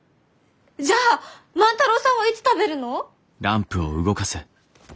じゃあ万太郎さんはいつ食べるの！？